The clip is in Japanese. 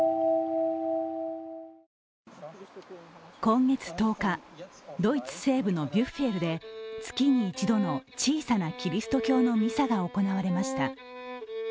今月１０日、ドイツ西部のビュッフェルで月に一度の小さなキリスト教のミサが行われました。